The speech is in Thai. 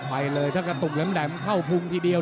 ไปเลยถ้ากระตุกแหลมเข้าพุงทีเดียว